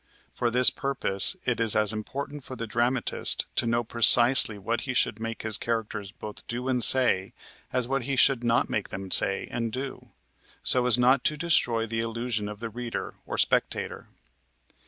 For this purpose it is as important for the dramatist to know precisely what he should make his characters both do and say as what he should not make them say and do, so as not to destroy the illusion of the reader or spectator.